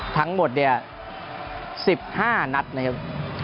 ทั้งหมดเนี่ย๑๕นัดนะครับ